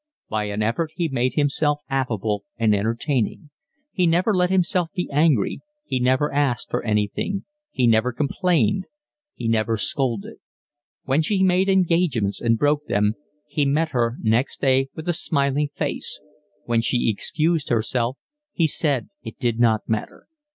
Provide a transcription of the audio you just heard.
By an effort he made himself affable and entertaining; he never let himself be angry, he never asked for anything, he never complained, he never scolded. When she made engagements and broke them, he met her next day with a smiling face; when she excused herself, he said it did not matter.